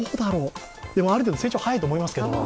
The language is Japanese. でも、ある程度、成長は早いと思いますけど。